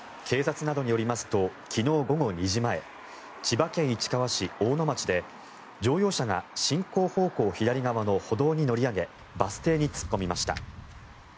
警察などによりますと昨日午後２時前千葉県市川市大野町で乗用車が進行方向左側の歩道に乗り上げバス停に突っ込みました。